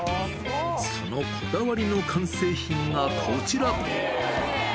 そのこだわりの完成品がこちら。